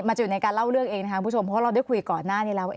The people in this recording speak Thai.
จะอยู่ในการเล่าเรื่องเองนะครับคุณผู้ชมเพราะเราได้คุยก่อนหน้านี้แล้ว